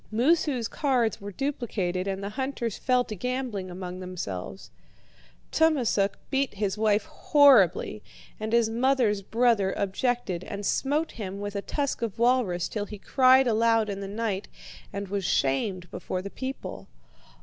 Moosu's cards were duplicated and the hunters fell to gambling among themselves. Tummasook beat his wife horribly, and his mother's brother objected and smote him with a tusk of walrus till he cried aloud in the night and was shamed before the people.